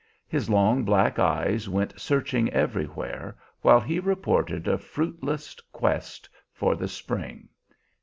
His long, black eyes went searching everywhere while he reported a fruitless quest for the spring.